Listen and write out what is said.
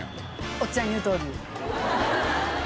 おっちゃん言うとおり。